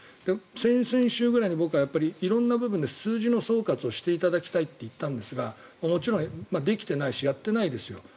先々週ぐらいに僕は色んな部分で数字の総括をしていただきたいと言ったんですがもちろんできていないしやっていないですよ。